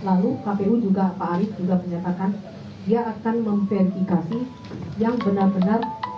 lalu kpu juga pak arief juga menyatakan dia akan memverifikasi yang benar benar